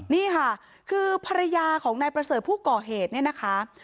นี่ค่ะคือภรรยาของนายประเสริฐผู้ก่อเหตุเนี่ยนะคะ